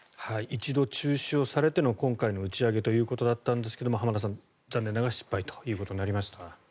一度中止をされての今回の打ち上げということだったんですが浜田さん、残念ながら失敗ということになりました。